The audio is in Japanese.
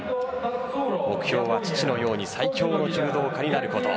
目標は父のように最強の柔道家になること。